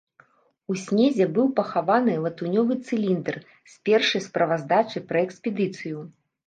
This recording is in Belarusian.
У снезе быў пахаваны латуневы цыліндр з першай справаздачай пра экспедыцыю.